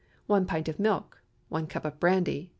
1 pint of milk. 1 cup of brandy.